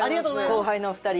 後輩の２人。